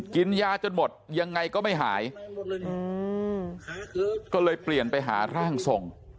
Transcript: กินยาจนหมดยังไงก็ไม่หายก็เลยเปลี่ยนไปหาร่างทรง